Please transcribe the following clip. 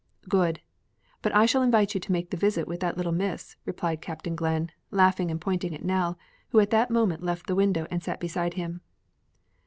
"Good, but I shall invite you to make the visit with that little Miss," replied Captain Glenn, laughing and pointing at Nell who at that moment left the window and sat beside him.